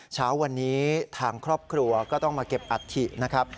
เช้าวันนี้ทางครอบครัวก็ต้องมาเก็บอัฐินะครับ